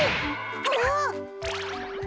あっ！